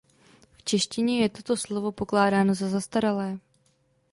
V češtině je toto slovo pokládáno za zastaralé.